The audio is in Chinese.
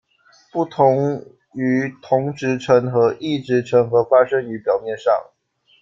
不同于同质成核，异质成核发生于表面上。